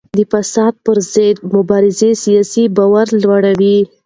د فساد پر ضد مبارزه سیاسي باور لوړوي